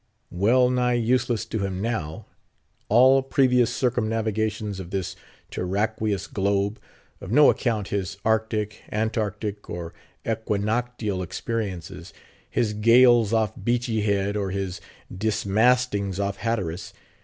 Well nigh useless to him, now, all previous circumnavigations of this terraqueous globe; of no account his arctic, antarctic, or equinoctial experiences; his gales off Beachy Head, or his dismastings off Hatteras.